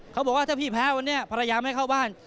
เขาบอกว่าถ้าพี่แพ้วันนี้ภรรยาไม่เข้าบ้าน